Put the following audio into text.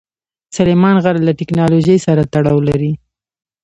سلیمان غر له تکنالوژۍ سره تړاو لري.